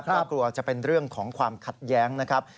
ก็กลัวจะเป็นเรื่องของความขัดแย้งนะครับ